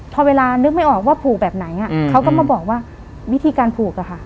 พอเวลานึกไม่ออกว่าผูกแบบไหนเขาก็มาบอกว่าวิธีการผูกอะค่ะ